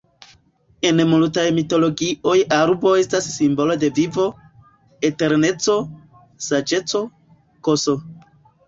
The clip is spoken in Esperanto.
En multaj mitologioj arbo estas simbolo de vivo, eterneco, saĝeco, ks.